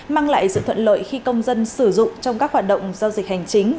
mang lại sự thuận lợi khi công dân sử dụng trong các hoạt động giao dịch hành chính